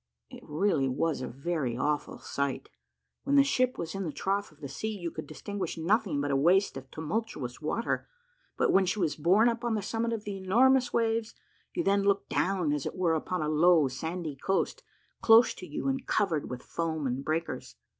It really was a very awful sight. When the ship was in the trough of the sea, you could distinguish nothing but a waste of tumultuous water; but when she was borne up on the summit of the enormous waves, you then looked down, as it were, upon a low, sandy coast, close to you, and covered with foam and breakers.